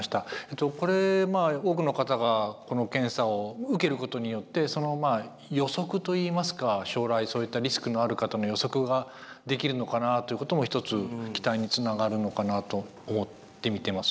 これ多くの方がこの検査を受けることによってそのまあ予測といいますか将来そういったリスクのある方の予測ができるのかなあということも一つ期待につながるのかなと思って見てます。